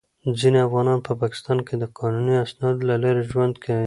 ځینې افغانان په پاکستان کې د قانوني اسنادو له لارې ژوند کوي.